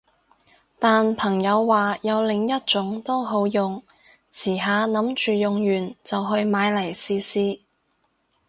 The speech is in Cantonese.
但朋友話有另一種都好用，遲下諗住用完就去買嚟試試